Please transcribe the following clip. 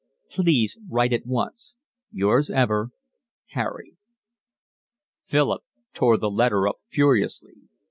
Please write at once. Yours ever, Harry. Philip tore up the letter furiously.